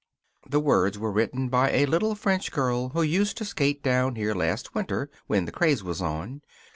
"The words were written by a little French girl who used to skate down here last winter, when the craze was on.